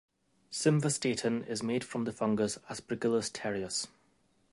Simvastatin is made from the fungus "Aspergillus terreus".